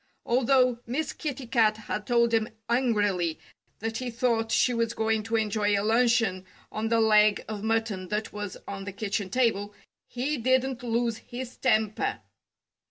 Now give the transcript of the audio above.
Although Miss Kitty Cat had told him angrily that he thought she was going to enjoy a luncheon on the leg of mutton that was on the kitchen table, he didn't lose his temper.